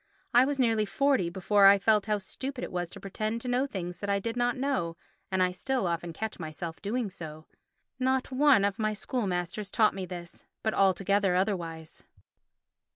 I was nearly forty before I felt how stupid it was to pretend to know things that I did not know and I still often catch myself doing so. Not one of my school masters taught me this, but altogether otherwise.